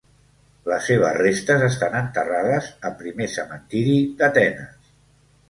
Les seves restes estan enterrades a Primer Cementiri d'Atenes.